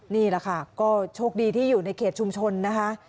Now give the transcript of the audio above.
นี่แหละค่ะก็โชคดีที่อยู่ในเขตชุมชนนะคะ